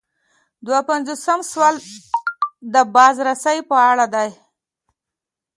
دوه پنځوسم سوال د بازرسۍ په اړه دی.